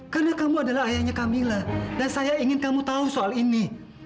karena kamu adalah ayahnya kamila dan saya ingin kamu tahu soal ini